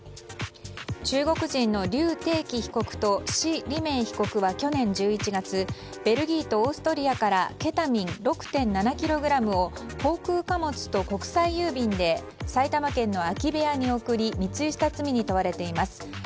中国人のリュウ・テイキ被告とシ・リメイ被告は去年１１月ベルギーとオーストリアからケタミン６．７ｋｇを航空貨物と国際郵便で埼玉県の空き部屋に送り密輸した罪に問われています。